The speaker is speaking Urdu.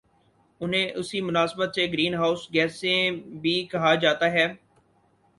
انہیں اسی مناسبت سے گرین ہاؤس گیسیں بھی کہا جاتا ہے